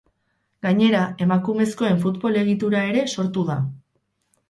Gainera, emakumezkoen futbol-egitura ere sortu da.